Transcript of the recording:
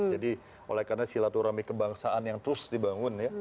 jadi oleh karena silaturahmi kebangsaan yang terus dibangun ya